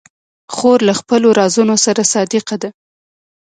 خور له خپلو رازونو سره صادقه ده.